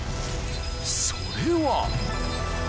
［それは］